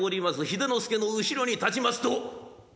秀之助の後ろに立ちますと。